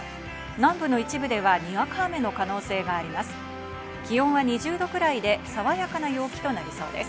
南部の一部ではにわか雨の可能性があります。